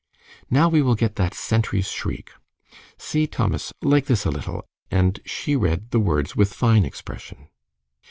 "Now we will get that 'sentries shriek.' See, Thomas, like this a little," and she read the words with fine expression.